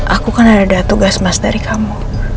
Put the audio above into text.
aku kan ada tugas mas dari kamu